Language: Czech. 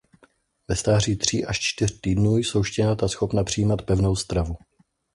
Ve stáří tří až čtyř týdnů jsou štěňata schopna přijímat pevnou stravu.